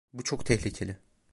Bu çok tehlikeli.